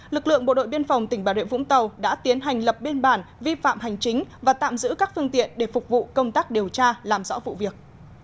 lực lượng bộ đội biên phòng tỉnh bà rịa vũng tàu đã tiến hành lập biên bản vi phạm hành chính và tạm giữ các phương tiện để phục vụ công tác điều tra làm rõ vụ việc